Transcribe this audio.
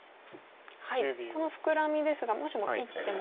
このフクラミですがもしも１手戻って。